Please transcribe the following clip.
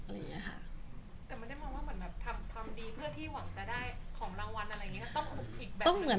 สึ่งจะได้